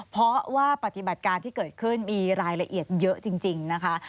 เพราะว่าปฏิบัติการที่เกิดขึ้นมีรายละเอียดเยอะจริงนะคะ